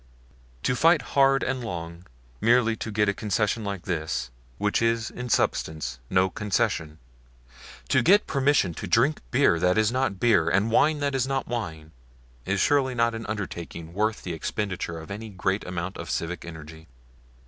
To fight hard and long merely to get a concession like this, which is in substance no concession to get permission to drink beer that is not beer and wine that is not wine is surely not an undertaking worth the expenditure of any great amount of civic energy.